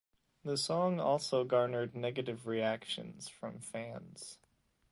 The song also garnered negative reactions from fans.